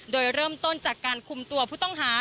โดยเริ่มต้นจากการคุมตัวผู้ต้องหา